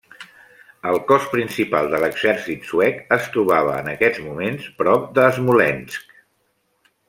El cos principal de l'exèrcit suec es trobava en aquests moments prop de Smolensk.